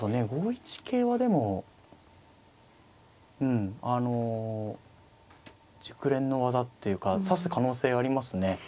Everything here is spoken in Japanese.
５一桂はでもうんあの熟練の技っていうか指す可能性ありますね。